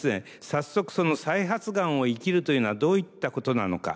早速その再発がんを生きるというのはどういったことなのか。